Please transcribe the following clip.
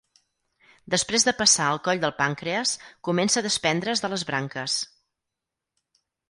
Després de passar el coll del pàncrees comença a despendre's de les branques.